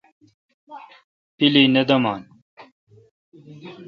پیلی نہ دمان۔